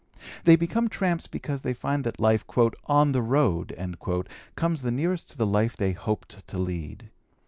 They become tramps because they find that life "on the road" comes the nearest to the life they hoped to lead.